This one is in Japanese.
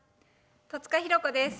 戸塚寛子です。